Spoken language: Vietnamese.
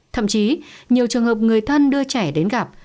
thậm chí nhiều trường hợp người thân đưa trẻ đến gặp